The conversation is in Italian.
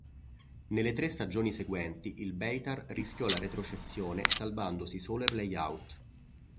Nelle tre stagioni seguenti, il Beitar rischiò la retrocessione, salvandosi solo ai play-out.